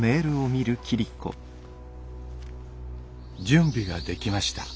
「準備が出来ました。